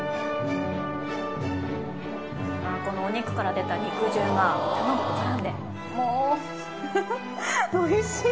このお肉から出た肉汁が卵と絡んでもう美味しい。